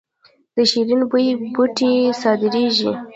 د شیرین بویې بوټی صادریږي